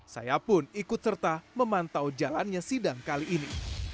saya pun ikut serta memantau jalannya sidang kali ini